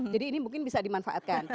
jadi ini mungkin bisa dimanfaatkan